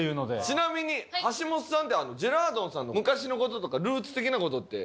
ちなみに橋本さんってジェラードンさんの昔の事とかルーツ的な事って。